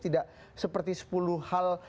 tidak seperti sepuluh hal